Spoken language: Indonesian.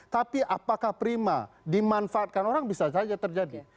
tapi apakah prima dimanfaatkan orang bisa saja terjadi